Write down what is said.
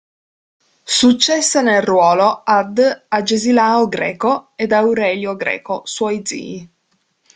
Successe nel ruolo ad Agesilao Greco ed Aurelio Greco, suoi zii.